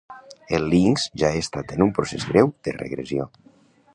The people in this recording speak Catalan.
El linx ja ha estat en un procés greu de regressió.